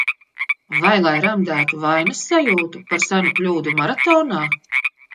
Vai lai remdētu vainas sajūtu par senu kļūdu Maratonā?